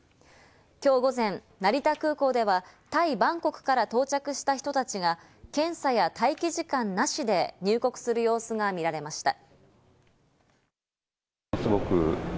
今日午前、成田空港ではタイ・バンコクから到着した人たちが検査や待機時間なしで入国する様子が見られました。